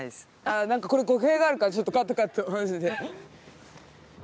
あ何かこれ語弊があるからちょっとカットカットマジで。